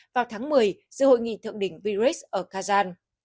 vào tháng một mươi dự hội nghị thượng đỉnh birics ở kazan